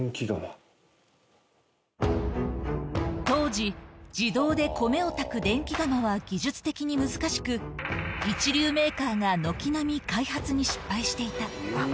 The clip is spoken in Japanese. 当時、自動で米を炊く電気釜は技術的に難しく、一流メーカーが軒並み開発に失敗していた。